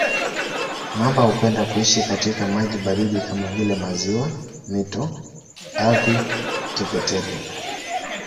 Mamba hupenda kuishi katika maji baridi kama vile maziwa, mito, ardhi tepe-tepe.